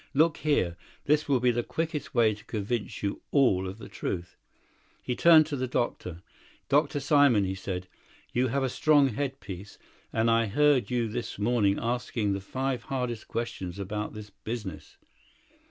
Look here, this will be the quickest way to convince you all of the truth." He turned to the doctor. "Dr. Simon," he said, "you have a strong head piece, and I heard you this morning asking the five hardest questions about this business.